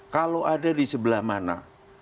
kalau ada di sebelah mana